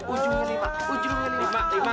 ujungnya lima ujungnya lima